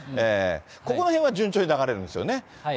ここらへんは順調に流れるんですよね。